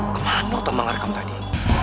kemana tamang arkam tadi